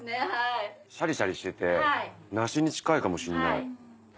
シャリシャリしてて梨に近いかもしんない。